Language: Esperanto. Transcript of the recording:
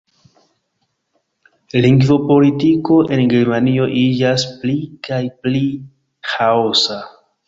Lingvopolitiko en Germanio iĝas pli kaj pli ĥaosa.